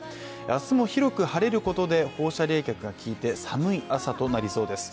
明日も広く晴れることで放射冷却がきいて、寒い朝となりそうです。